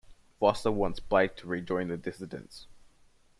Foster wants Blake to rejoin the dissidents.